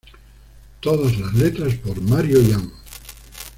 Todas las letras por Mario Ian.